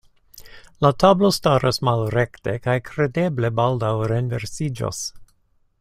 La tablo staras malrekte kaj kredeble baldaŭ renversiĝos.